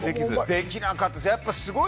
できなかったです。